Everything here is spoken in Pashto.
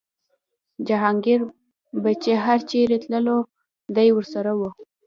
جهانګیر به چې هر چېرې تللو دی ورسره و.